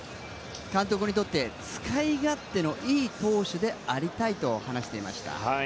監督にとって使い勝手のいい投手でありたいと話していました。